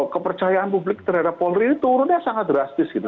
kepercayaan publik terhadap polri ini turunnya sangat drastis gitu